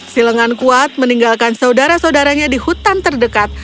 si lengan kuat meninggalkan saudara saudaranya di hutan terdekat